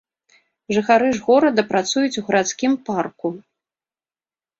Жыхары ж горада працуюць у гарадскім парку.